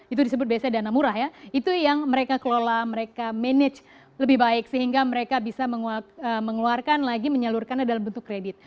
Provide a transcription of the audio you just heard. itu disebut biasanya dana murah ya itu yang mereka kelola mereka manage lebih baik sehingga mereka bisa mengeluarkan lagi menyalurkannya dalam bentuk kredit